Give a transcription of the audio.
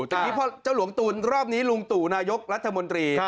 ทีนี้พ่อเจ้าหลวงตูนรอบนี้ลุงตู่นายกรัฐมนตรี